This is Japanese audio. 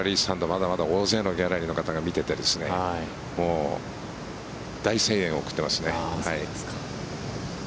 まだまだ大勢のギャラリーの方が見ていて大声援を送ってますね。